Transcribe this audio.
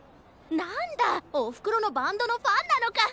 なんだおふくろのバンドのファンなのか。